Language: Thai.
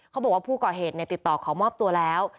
เขาบอกว่าผู้ก่อเหตุติดต่อขอมอบตัวแล้ว